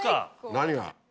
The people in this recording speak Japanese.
何が？